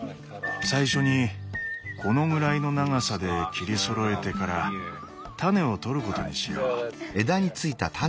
最初にこのぐらいの長さで切りそろえてから種をとることにしよう。